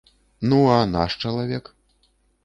Ну, а наш чалавек?